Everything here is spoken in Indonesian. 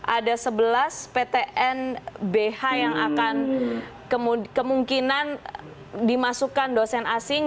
ada sebelas ptn bh yang akan kemungkinan dimasukkan dosen asing